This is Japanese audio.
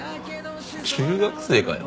中学生かよ。